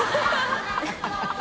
ハハハ